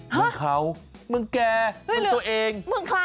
เมืองเขาเมืองแก่เมืองตัวเอง